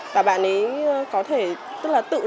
và bạn ấy có thể tức là tự nhiên